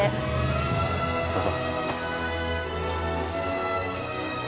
どうぞ。